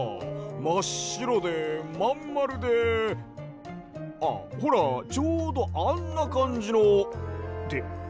まっしろでまんまるであっほらちょうどあんなかんじのってええ！？